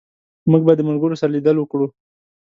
موږ به د ملګرو سره لیدل وکړو